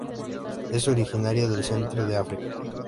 Es originario del centro de África.